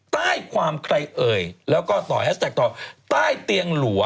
ใต้ความใครเอ่ยแล้วก็ต่อแฮชแท็กต่อใต้เตียงหลัว